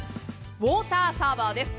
ウォーターサーバーです。